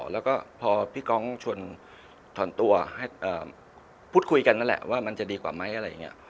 แล้วก็พอพี่กองชวนถอนตัวพูดคุยกันนั่นแหละว่ามันจะดีกว่าไหมอะไรอย่างนี้